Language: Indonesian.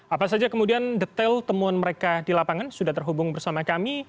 apa saja kemudian detail temuan mereka di lapangan sudah terhubung bersama kami